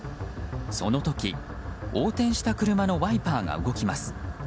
その時、横転した車のワイパーが動きます。